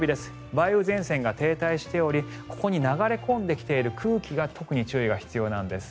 梅雨前線が停滞しておりここに流れ込んできている空気が特に注意が必要なんです。